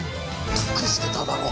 隠してただろう！